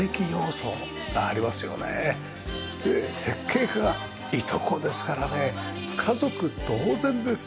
で設計家がいとこですからね家族同然ですよ。